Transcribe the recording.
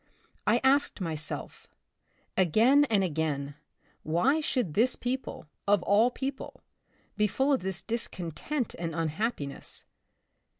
I asked myself, again and again, why should this people, of all peo ple, be full of this discontent and unhappi ness